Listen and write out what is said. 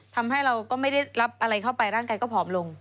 ทำให้เราก็ไม่ได้รับอะไรเข้าไปร่างกายก็ผอมลง